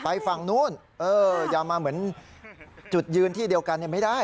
ฝั่งนู้นอย่ามาเหมือนจุดยืนที่เดียวกันไม่ได้